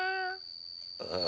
ああ。